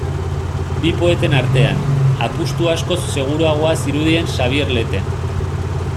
Bi poeten artean, apustu askoz seguruagoa zirudien Xabier Lete.